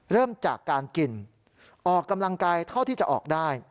เริ่มจากการกินออกกำลังกายเท่าที่จะออกได้